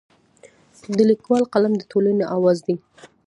د لیکوال قلم د ټولنې اواز دی.